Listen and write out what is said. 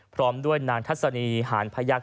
พร้อมด้วยทัศนีหาญพะยักษ์